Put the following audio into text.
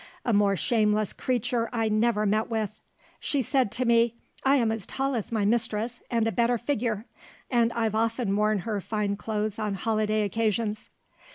A more shameless creature I never met with. She said to me, 'I am as tall as my mistress, and a better figure; and I've often worn her fine clothes on holiday occasions.